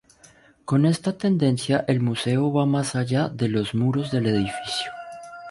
Con esta tendencia el museo va más allá de los muros del edificio.